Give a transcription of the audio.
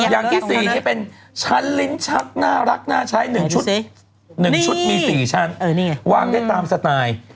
อย่างที่๔นี่เป็นชั้นลิ้นชักน่ารักน่าใช้๑ชุด๑ชุดมี๔ชั้นวางได้ตามสไตล์